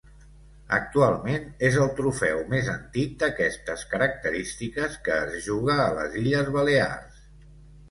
Actualment és el trofeu més antic d'aquestes característiques que es juga a les Illes Balears.